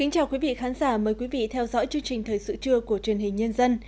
chào mừng quý vị đến với bộ phim thời sự trưa của truyền hình nhân dân